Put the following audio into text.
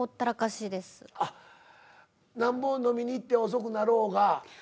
あっなんぼ飲みに行って遅くなろうが。